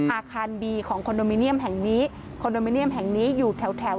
อาคารบีของคอนโดมิเนียมแห่งนี้คอนโดมิเนียมแห่งนี้อยู่แถวแถว